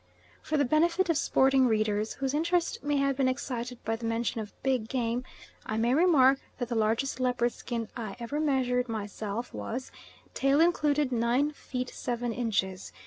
For the benefit of sporting readers whose interest may have been excited by the mention of big game, I may remark that the largest leopard skin I ever measured myself was, tail included, 9 feet 7 inches.